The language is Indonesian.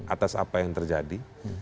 atas apa yang terjadi